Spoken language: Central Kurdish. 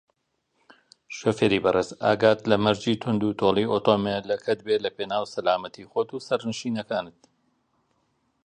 کارێکتان نییە بیکەم؟